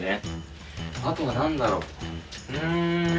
あとは何だろううん。